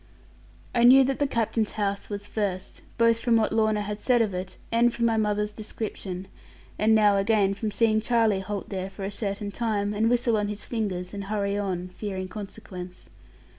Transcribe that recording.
I knew that the Captain's house was first, both from what Lorna had said of it, and from my mother's description, and now again from seeing Charlie halt there for a certain time, and whistle on his fingers, and hurry on, fearing consequence.